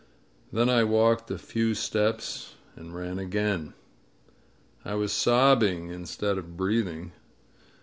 Then I walked a few steps and ran again. I was sobbing instead of breathing.